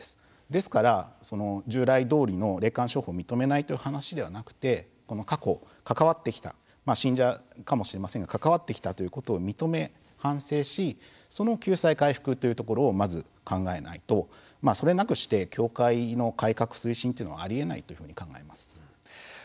ですから、従来どおりの霊感商法認めないという話ではなくて、過去信者かもしれないが関わってきたということを認め、反省しその救済回復というところをまず考えないと、それなくして教会の改革推進というのはありえないというふうに考えます。